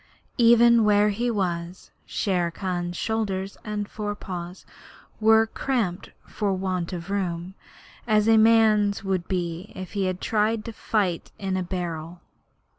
Even where he was, Shere Khan's shoulders and fore paws were cramped for want of room, as a man's would be if he tried to fight in a barrel.